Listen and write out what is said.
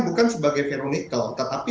bukan sebagai ferronikel tetapi